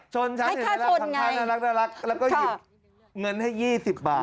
ชนฉันฉันน่ารักแล้วก็หยุบเงินให้ยี่สิบบาท